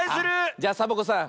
じゃサボ子さん